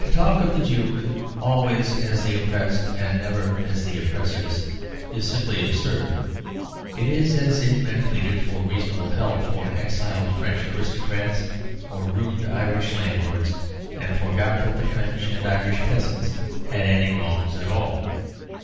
To talk of the Jews always as the oppressed and never as the oppressors is simply absurd; it is as if men pleaded for reasonable help for exiled French aristocrats or ruined Irish landlords, and forgot that the French and Irish peasants had any wrongs at all.